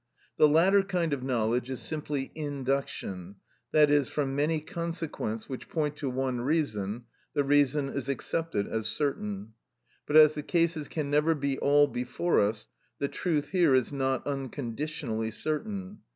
The latter kind of knowledge is simply induction, i.e., from many consequents which point to one reason, the reason is accepted as certain; but as the cases can never be all before us, the truth here is not unconditionally certain.